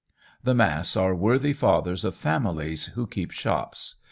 The mass are worthy fathers of families, who keep shops.